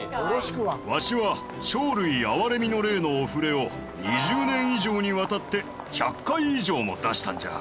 わしは生類憐みの令のお触れを２０年以上にわたって１００回以上も出したんじゃ。